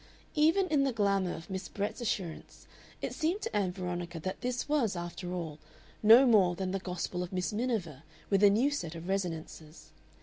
Even in the glamour of Miss Brett's assurance it seemed to Ann Veronica that this was, after all, no more than the gospel of Miss Miniver with a new set of resonances.